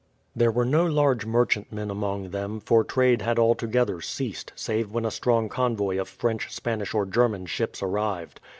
There were no large merchantmen among them, for trade had altogether ceased, save when a strong convoy of French, Spanish, or German ships arrived.